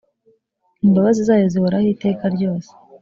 imbabazi zayo zihoraho iteka ryose